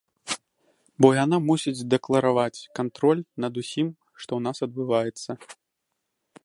Бо яна мусіць дэклараваць кантроль над усім, што ў нас адбываецца.